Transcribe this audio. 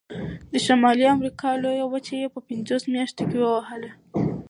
د شمالي امریکا لویه وچه یې په پنځو میاشتو کې ووهله.